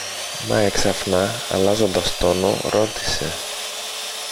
Μα έξαφνα αλλάζοντας τόνο ρώτησε